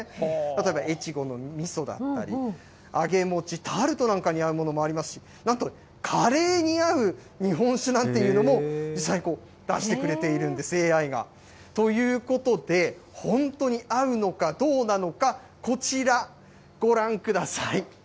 例えば越後のみそだったり、あげもち、タルトなんかに合うものもありますし、なんとカレーに合う日本酒なんていうのも実際、出してくれているんです、ＡＩが。ということで、本当に合うのかどうなのか、こちらご覧ください。